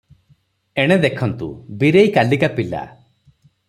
ଏଣେ ଦେଖନ୍ତୁ, ବୀରେଇ କାଲିକା ପିଲା ।"